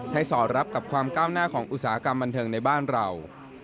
สอดรับกับความก้าวหน้าของอุตสาหกรรมบันเทิงในบ้านเรา